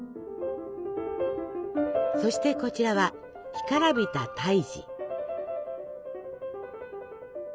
そしてこちらは「干からびた胎児」。